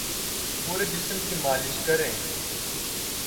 پورے جسم کی مالش کریں